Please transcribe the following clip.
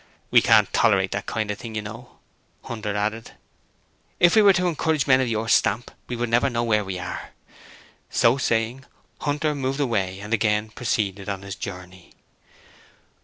'We can't tolerate that kind of thing, you know,' Hunter added. 'If we were to encourage men of your stamp we should never know where we are.' So saying, Hunter moved away and again proceeded on his journey.